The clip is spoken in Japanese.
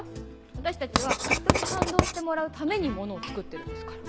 私たちは人に感動してもらうためにものを作ってるんですから。